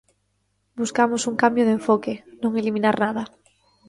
Buscamos un cambio de enfoque, non eliminar nada.